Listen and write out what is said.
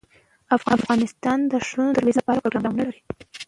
افغانستان د ښارونو د ترویج لپاره پروګرامونه لري.